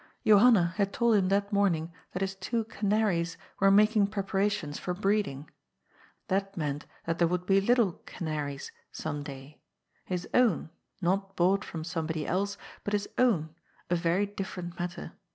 Johanna had told him that morning that his two canaries were making preparations for breed ing. That meant that there would be little canaries some day — ^his own, not bought from somebody else, but his own, a very different matter.